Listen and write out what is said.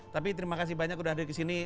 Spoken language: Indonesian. tapi terima kasih banyak udah hadir kesini